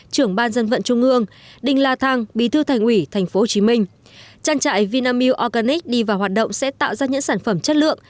trưởng ban dân vận trung ương đinh la thăng bí thư thành ủy tp hcm trang trại vinamilk organic đi vào hoạt động sẽ tạo ra những sản phẩm chất lượng